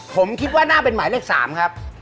ผมคิดว่าน่าเป็นหมายเลข๓ครับ